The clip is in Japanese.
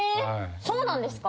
そうなんですか？